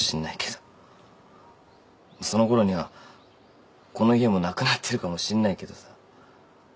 そのころにはこの家もなくなってるかもしんないけどさ。